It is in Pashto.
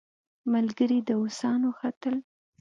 ملګري داووسان وختل.